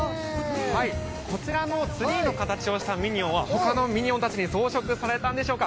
◆こちらのツリーの形をしたミニオンはほかのミニオンたちに装飾されたんでしょうか。